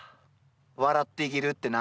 笑って生きるってな。